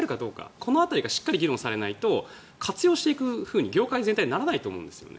この辺りがしっかり議論されないと活用していくふうに業界全体がならないと思うんですね。